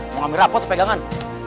mau ambil rapot pegangan